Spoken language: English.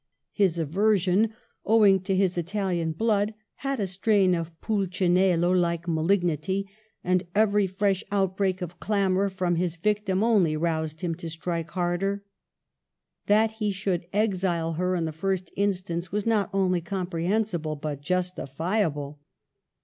Digitized by VjOOQIC 1 96 MADAME DE STA&L His aversion, owing to his Italian blood, had a strain of Pulcinello like malignity, and every fresh outbreak of clamor from his victim only roused him to strike harder. That he should exile her in the first instance was not only comprehensible but justifiable.